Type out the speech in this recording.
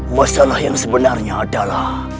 masalah yang sebenarnya adalah